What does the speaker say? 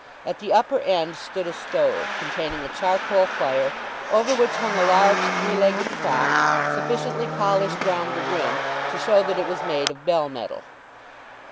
At the upper end stood a stove, containing a charcoal fire, over which hung a large three legged crock, sufficiently polished round the rim to show that it was made of bell metal.